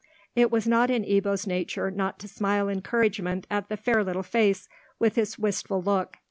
It was not in Ebbo's nature not to smile encouragement at the fair little face, with its wistful look.